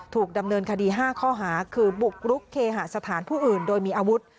ถูกดำเนินคดี๕ข้อหาคือบุกรุกเคหาสถานผู้อื่นโดยมีอาวุธ